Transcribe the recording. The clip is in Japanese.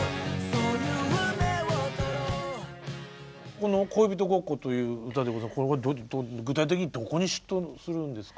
この「恋人ごっこ」という歌は具体的にどこに嫉妬するんですか？